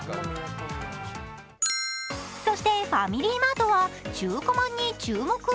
そしてファミリーマートは中華まんに注目。